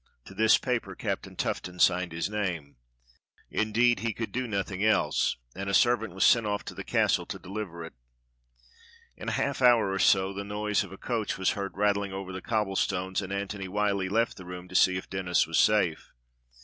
To this paper Captain Tuffton signed his name. In 276 DOCTOR SYN deed, he could do nothing else; and a servant was sent off to the castle to deliver it. In half an hour or so the noise of a coach was heard rattling over the cobblestones, and Antony WTiyllie left the room to see if Denis was safe.